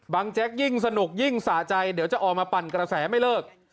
แจ๊กยิ่งสนุกยิ่งสะใจเดี๋ยวจะออกมาปั่นกระแสไม่เลิก